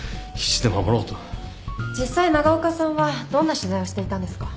実際長岡さんはどんな取材をしていたんですか？